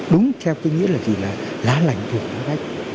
đúng theo cái nghĩa là gì là lá lành thủ nó đánh